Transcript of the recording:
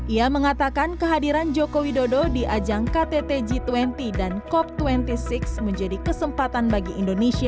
ia mengatakan kehadiran jokowi dodo di ajang ktt g dua puluh dan cop dua puluh enam menjadi kesempatan